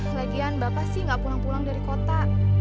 kelagian bapak sih gak pulang pulang dari kota